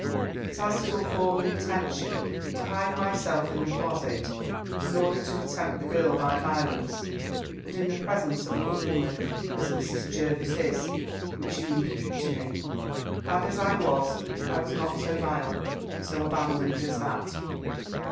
But as to a formed intention to hide myself in the closet, in order to attempt the girl by violence, and in the presence of a good woman, as Mrs. Jervis is, which you impute to me, bad as I was, I was not so vile, so abandoned as that.